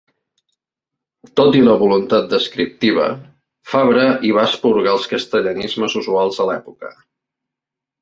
Tot i la voluntat descriptiva, Fabra hi va esporgar els castellanismes usuals a l'època.